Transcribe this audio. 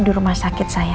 hudut don mada debbie